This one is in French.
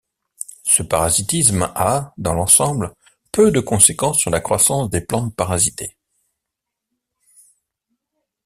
Ce parasitisme a, dans l’ensemble, peu de conséquences sur la croissance des plantes parasitées.